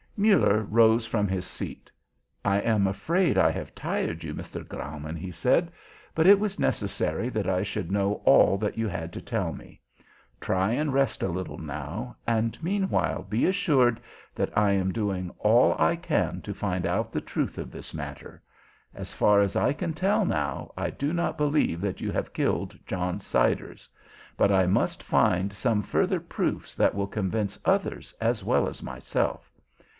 Muller rose from his seat. "I am afraid I have tired you, Mr. Graumann," he said, "but it was necessary that I should know all that you had to tell me. Try and rest a little now and meanwhile be assured that I am doing all I can to find out the truth of this matter. As far as I can tell now I do not believe that you have killed John Siders. But I must find some further proofs that will convince others as well as myself.